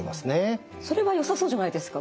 それはよさそうじゃないですか。